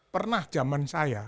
pernah zaman saya